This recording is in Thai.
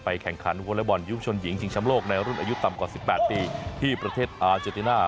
แข่งขันวอเล็กบอลยุคชนหญิงชิงช้ำโลกในรุ่นอายุต่ำกว่า๑๘ปีที่ประเทศอาเจติน่า